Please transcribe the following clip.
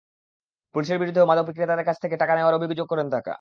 পুলিশের বিরুদ্ধেও মাদক বিক্রেতাদের কাছ থেকে টাকা নেওয়ার অভিযোগ করেন তাঁরা।